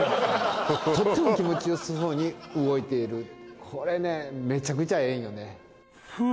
とっても気持ちよさそうに動いているこれねめちゃくちゃええんよね